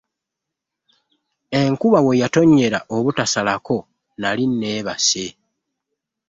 Enkuba we yatonnyera obutasalako nnali nneebase.